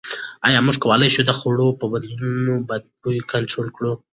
ایا موږ کولای شو د خوړو په بدلولو بدن بوی کنټرول کړو؟